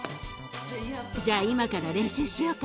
じゃあ今から練習しようか。